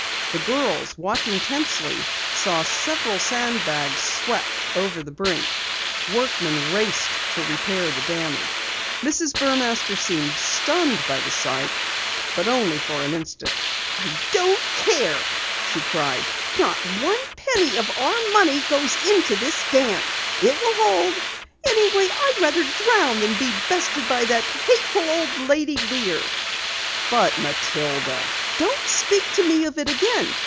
The girls, watching tensely, saw several sandbags swept over the brink. Workmen raced to repair the damage. Mrs. Burmaster seemed stunned by the sight, but only for an instant. "I don't care!" she cried. "Not a penny of our money goes into this dam! It will hold. Anyway, I'd rather drown than be bested by that hateful old lady Lear!" "But Matilda " "Don't speak to me of it again!